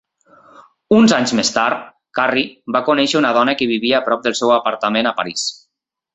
Uns anys més tard, Carrier va conèixer una dona que vivia a prop del seu apartament a París.